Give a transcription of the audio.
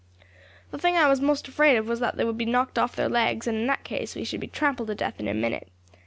"The thing I was most afraid of was that they would be knocked off their legs, and in that case we should be trampled to death in a minute.